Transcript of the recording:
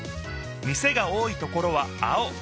店が多いところは青。